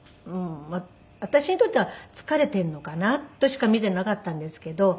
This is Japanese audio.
私にとっては疲れているのかなとしか見ていなかったんですけど。